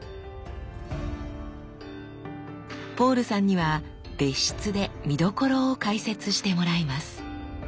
ポールさんには別室で見どころを解説してもらいます。